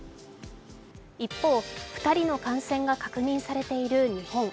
一方、２人の感染が確認されている日本。